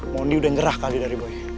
mondi udah nyerah kali dari boy